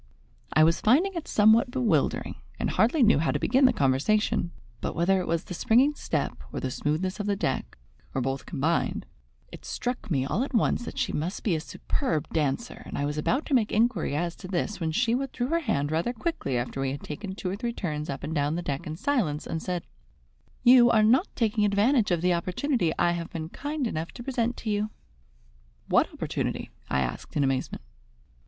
I was finding it somewhat bewildering, and hardly knew how to begin the conversation; but whether it was the springing step, or the smoothness of the deck, or both combined, it struck me all at once that she must be a superb dancer, and I was about to make inquiry as to this when she withdrew her hand rather quickly after we had taken two or three turns up and down the deck in silence, and said: "You are not taking advantage of the opportunity I have been kind enough to present to you." "What opportunity?" I asked in amazement.